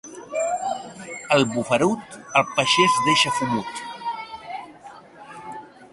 El bufarut, al pagès deixa fumut.